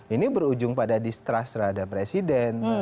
ini berujung pada distrust terhadap presiden